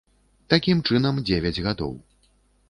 Такім чынам, дзевяць гадоў.